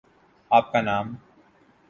آپ کا نام؟